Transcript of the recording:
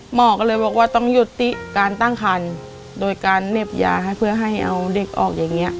หมอก็เลยบอกว่าต้องยุติการตั้งคันโดยการเหน็บยาให้เพื่อให้เอาเด็กออกอย่างนี้